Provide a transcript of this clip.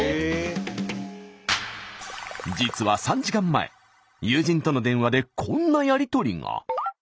実は３時間前友人との電話でこんなやり取りが。